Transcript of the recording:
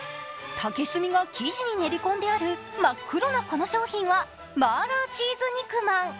竹炭が生地に練り込んである真っ黒なこの商品は麻辣チーズ肉まん。